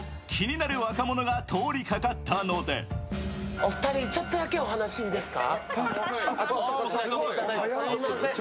お二人、ちょっとだけお話いいですか？